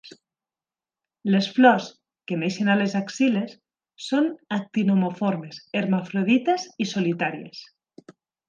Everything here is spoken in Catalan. Les flors, que neixen a les axil·les, són actinomorfes, hermafrodites i solitàries.